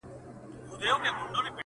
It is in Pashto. چي یې وکتل قصاب نه وو بلا وه؛